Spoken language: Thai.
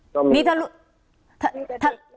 ก็มีครับ